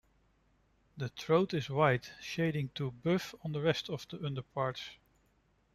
The throat is white, shading to buff on the rest of the underparts.